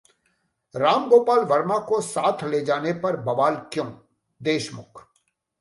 रामगोपाल वर्मा को साथ ले जाने पर बवाल क्यों: देशमुख